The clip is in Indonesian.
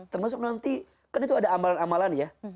termasuk nanti kan itu ada amalan amalan ya